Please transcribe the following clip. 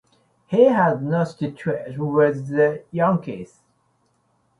He had no statistics with the Yankees.